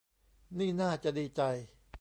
นี่น่าจะดีใจ